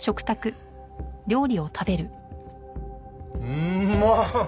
うまっ！